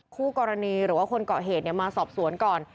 คู่กรณีหรือว่าคนเกาะเหตุมาสอบสวนก่อน